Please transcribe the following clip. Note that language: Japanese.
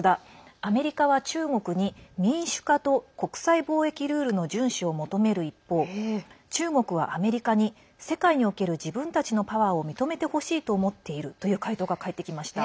アメリカは中国に民主化と国際貿易ルールの順守を求める一方中国はアメリカに世界における自分たちのパワーを認めてほしいと思っているという回答が返ってきました。